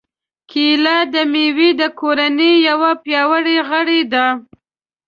کېله د مېوې د کورنۍ یو پیاوړی غړی دی.